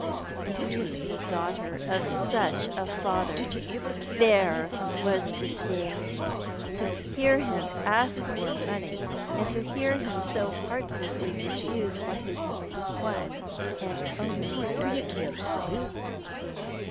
To be the daughter of such a father ! There was the sting ! To hear him ask for money, and to hear him so heartlessly refused by his own and only brother